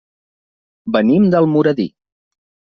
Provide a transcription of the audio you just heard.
Venim d'Almoradí.